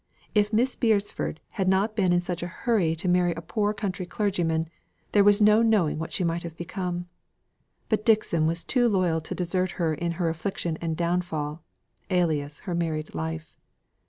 If Miss Beresford had not been in such a hurry to marry a poor country clergyman there was no knowing what she might have become. But Dixon was too loyal to desert her in her affliction and downfall (alas, her married life).